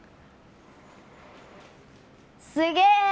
すげえ！